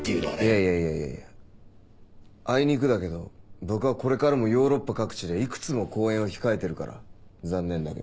いやいやいやあいにくだけど僕はこれからもヨーロッパ各地でいくつも公演を控えてるから残念だけど。